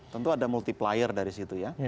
tentu ada multiplier dari situ ya